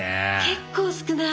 結構少ない。